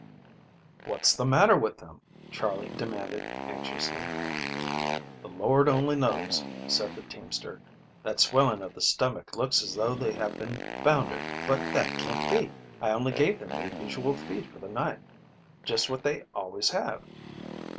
"What's the matter with them?" Charley demanded anxiously. "The Lord only knows," said the teamster, "that swelling of the stomach looks as though they had been foundered, but that can't be. I only gave them their usual feed for the night just what they always have."